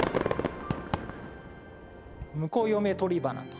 「婿嫁取花」と。